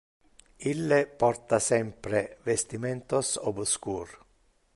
Ille porta sempre vestimentos obscur.